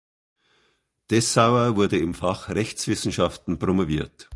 Dessauer wurde im Fach Rechtswissenschaften promoviert.